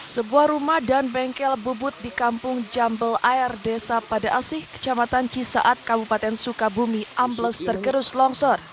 sebuah rumah dan bengkel bubut di kampung jambel air desa pada asih kecamatan cisaat kabupaten sukabumi ambles tergerus longsor